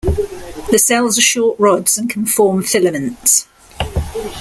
The cells are short rods and can form filaments.